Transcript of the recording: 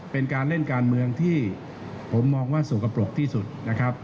เป็นการเล่นการเมืองที่ผมมองว่าสกปรกที่สุดนะครับ